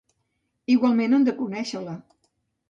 Igualment, han de conèixer-la.